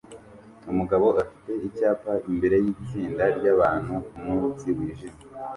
Umugabo afite icyapa imbere yitsinda ryabantu kumunsi wijimye